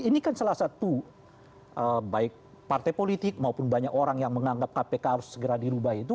ini kan salah satu baik partai politik maupun banyak orang yang menganggap kpk harus segera dirubah itu